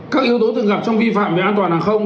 các yếu tố thường gặp trong vi phạm về an toàn hàng không